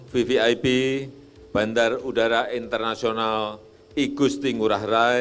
vvip bandar udara internasional igusti ngurah rai